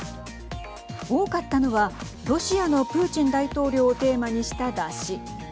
多かったのはロシアのプーチン大統領をテーマにした山車。